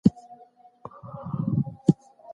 پاک خواړه د ککړو خوړو په پرتله ډېر ګټور دي.